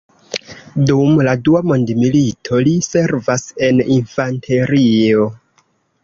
Dum la Dua Mondmilito, li servas en infanterio.